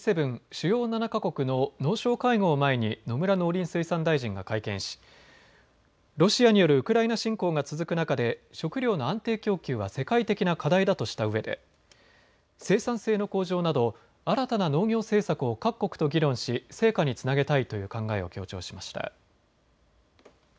・主要７か国の農相会合を前に野村農林水産大臣が会見しロシアによるウクライナ侵攻が続く中で食料の安定供給は世界的な課題だとしたうえで生産性の向上など新たな農業政策を各国と議論し成果につなげたいという考えを強調しました。